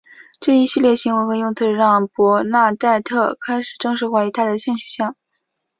这一系列行为和用词让伯纳黛特开始正式怀疑他的性取向。